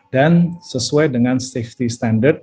dan sesuai dengan safety standard